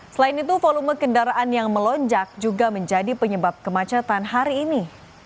selain itu volume kendaraan yang melonjak juga menjadi penyebab kemacetan hari ini